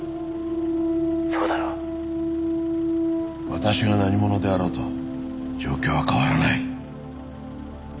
私が何者であろうと状況は変わらない。